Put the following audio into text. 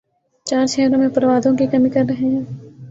چار شہرو ں میں پروازوں کی کمی کر رہے ہیں